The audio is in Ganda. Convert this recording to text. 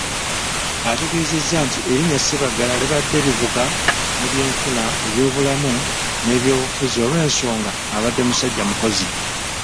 Ategeezezza nti erinnya Sebaggala libadde livuga mu byenfuna, ebyobulamu, n'eby'obufuzi olw'ensonga abadde musajja mukozi.